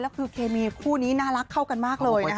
แล้วคือเคมีคู่นี้น่ารักเข้ากันมากเลยนะคะ